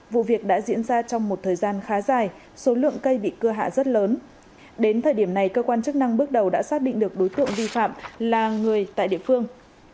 vụ việc đã diễn ra trong một thời gian khá dài số lượng cây bị cưa hạ rất lớn đến thời điểm này cơ quan chức năng bước đầu đã xác định được đối tượng vi phạm là người tại địa phương